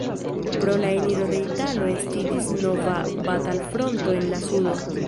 Pro la eniro de Italio estiĝis nova batalfronto en la sudo.